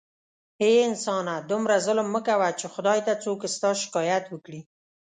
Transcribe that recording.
اې انسانه دومره ظلم مه کوه چې خدای ته څوک ستا شکایت وکړي